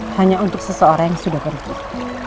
hanya untuk seseorang yang sudah berhenti